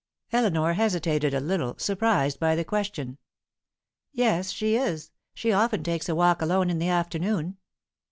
Eleanor hesitated a little, surprised by the question. "Yes, she is. She often takes a walk alone in the afternoon."